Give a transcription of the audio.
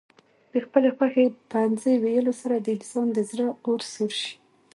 د خپلې خوښې په پوهنځي ويلو سره د انسان د زړه اور سوړ شي.